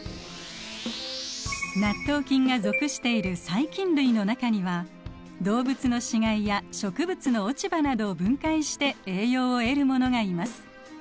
納豆菌が属している細菌類の中には動物の死骸や植物の落ち葉などを分解して栄養を得るものがいます。